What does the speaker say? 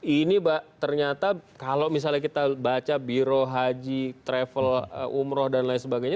ini ternyata kalau misalnya kita baca biro haji travel umroh dan lain sebagainya